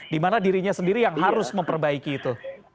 dimana dirinya sendiri yang harus memperbaiki itu